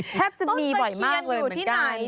แทบจะมีบ่อยมากเลยเหมือนกัน